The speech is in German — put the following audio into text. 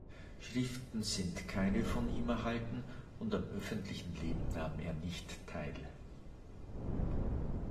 Schriften sind keine von ihm erhalten und am öffentlichen Leben nahm er nicht teil.